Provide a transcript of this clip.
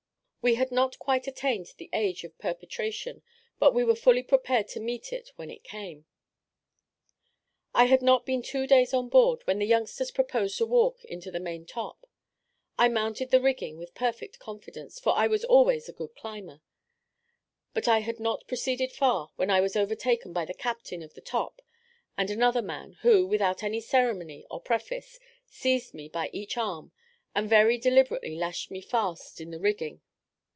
We had not quite attained the age of perpetration, but we were fully prepared to meet it when it came. I had not been two days on board, when the youngsters proposed a walk into the main top. I mounted the rigging with perfect confidence, for I was always a good climber; but I had not proceeded far, when I was overtaken by the captain of the top and another man, who, without any ceremony or preface, seized me by each arm, and very deliberately lashed me fast in the rigging.